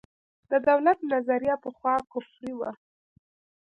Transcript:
د دولت نظریه پخوا کفري وه.